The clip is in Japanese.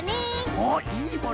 おっいいもの？